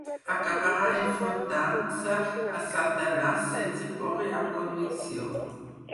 Acabarà enfrontant-se a Satanàs sense por i amb convicció.